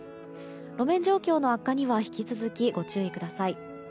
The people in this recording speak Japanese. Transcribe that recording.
路面状況の悪化には引き続きご注意ください。